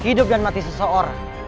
hidup dan mati seseorang